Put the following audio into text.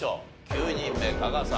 ９人目加賀さん